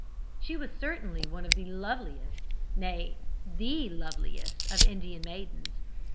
She was certainly one of the loveliest nay, the loveliest of Indian maidens.